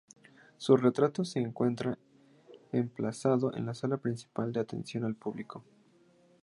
Su retrato se encuentra emplazado en la sala principal de atención al público.